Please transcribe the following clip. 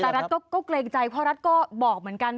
แต่รัฐก็เกรงใจเพราะรัฐก็บอกเหมือนกัน